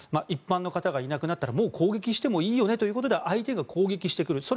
一般の方がいなくなったらもう攻撃してもいいよねということで相手が攻撃してくる。